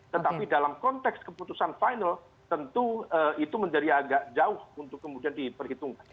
tetapi dalam konteks keputusan final tentu itu menjadi agak jauh untuk kemudian diperhitungkan